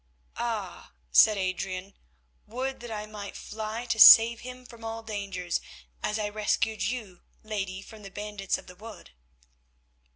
"Ah!" said Adrian, "would that I might fly to save him from all dangers, as I rescued you, lady, from the bandits of the wood."